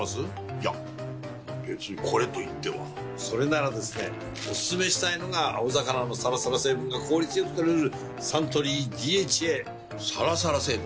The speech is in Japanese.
いや別にこれといってはそれならですねおすすめしたいのが青魚のサラサラ成分が効率良く摂れるサントリー「ＤＨＡ」サラサラ成分？